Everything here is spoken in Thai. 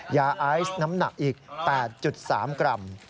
ยาไอซ์น้ำหนักอีก๘๓กรัม